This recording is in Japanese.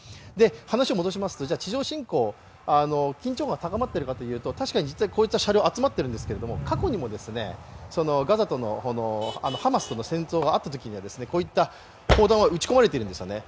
話を戻しますと、地上侵攻、緊張感が高まっているかというと、確かに実際、こうした車両が集まっているんですけれども、過去にもガザとのハマスとの戦争があったときにはこういった砲弾は撃ち込まれているんですね。